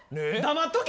黙っとけ！